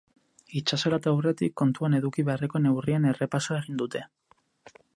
Itsasoratu aurretik kontuan eduki beharreko neurrien errepasoa egin dute.